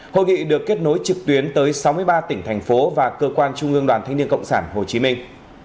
hội nghị được kết nối trực tuyến tới sáu mươi ba tỉnh thành phố và cơ quan trung ương đoàn thanh niên cộng sản hồ chí minh